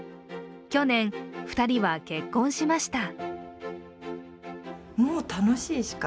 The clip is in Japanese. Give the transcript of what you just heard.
去年２人は結婚しました。